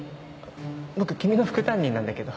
僕君の副担任なんだけど。